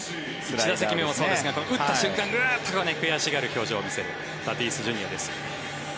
１打席目もそうですが打った瞬間ぐっと悔しがる表情を見せるタティスＪｒ．です。